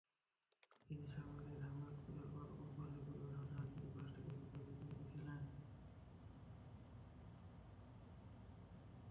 তিনি সাভারের হেমায়েতপুরের প্রাণ কোম্পানির পরিবেশক জাহাঙ্গীর প্লাস্টিকের বিক্রয় প্রতিনিধি ছিলেন।